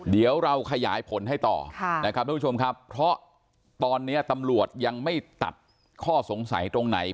เดี๋ยวเราขยายผลให้ต่อนะครับทุกผู้ชมครับเพราะตอนนี้ตำรวจยังไม่ตัดข้อสงสัยตรงไหน